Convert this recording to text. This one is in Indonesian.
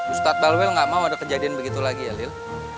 ustadz balwil gak mau ada kejadian begitu lagi ya halil